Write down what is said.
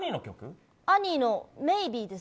「アニー」の「メイビー」です。